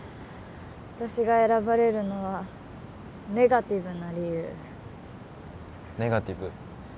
私が選ばれるのはネガティブな理由ネガティブ？